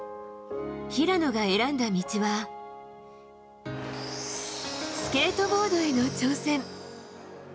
平野が選んだ道は、スケートボードへの挑戦。